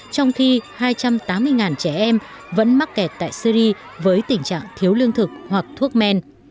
trong khi hai trăm tám mươi trẻ em vẫn mắc kẹt tại syri với tình trạng thiếu lương thực hoặc thuốc men